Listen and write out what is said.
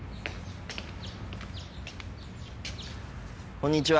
こんにちは。